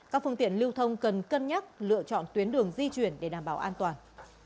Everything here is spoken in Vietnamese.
các phương tiện lưu thông cần cân nhắc lựa chọn tuyến đường di chuyển để đảm bảo an toàn